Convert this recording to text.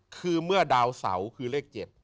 คือเมื่อดาวเสาคือเลข๗